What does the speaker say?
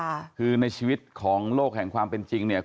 ค่ะคือในชีวิตของโลกแห่งความเป็นจริงเนี่ย